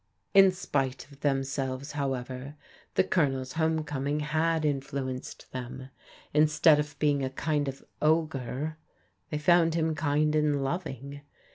In spite of themselves, however, the Colonel's home coming had influenced them. Instead of being a kind of ogre, they found him kind and loving.